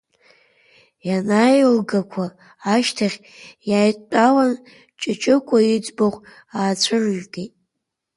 Ианааилгақәа ашьҭахь, иааидтәалан Ҷыҷыкәа иӡбахә аацәырыргеит.